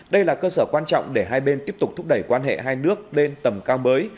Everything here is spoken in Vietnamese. đây là cơ sở quan trọng để hai bên tiếp tục thúc đẩy quan hệ hai nước lên tầm cao mới